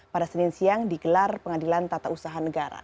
pada senin siang digelar pengadilan tata usaha negara